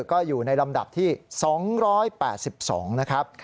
ก็อยู่ในลำดับที่๒๘๒นะครับ